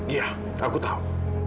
iya aku tahu